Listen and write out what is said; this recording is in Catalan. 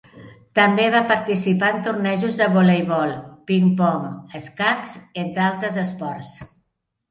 També va participar en tornejos de voleibol, ping-pong, escacs, entre altres esports.